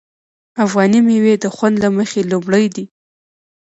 افغاني میوې د خوند له مخې لومړی دي.